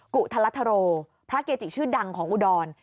กุธลัทโรพระเกจิชื่อดังของอุดร